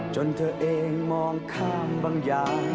จนเธอเองมองข้ามบางอย่าง